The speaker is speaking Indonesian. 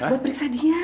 buat periksa dia